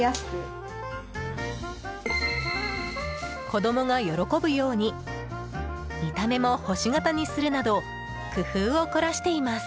子供が喜ぶように見た目も星型にするなど工夫を凝らしています。